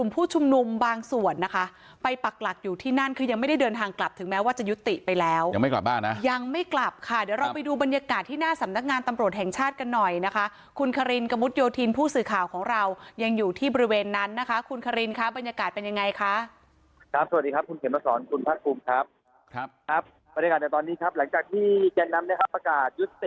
ผู้ชมนุมบางส่วนนะคะไปปักหลักอยู่ที่นั่นคือยังไม่ได้เดินทางกลับถึงแม้ว่าจะยุติไปแล้วยังไม่กลับบ้านนะยังไม่กลับค่ะเดี๋ยวเราไปดูบรรยากาศที่หน้าสำนักงานตำรวจแห่งชาติกันหน่อยนะคะคุณคารินกระมุดโยธีนผู้สื่อข่าวของเรายังอยู่ที่บริเวณนั้นนะคะคุณคารินครับบรรยากาศเป็นยังไงคะครับส